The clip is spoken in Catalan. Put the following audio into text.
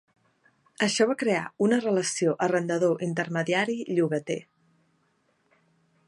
Això va crear una relació arrendador intermediari - llogater.